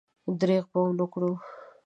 درېغ به ونه کړي.